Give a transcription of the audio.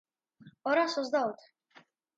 ორას ოცდაოთხი.